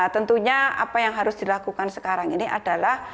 tentunya apa yang harus dilakukan sekarang ini adalah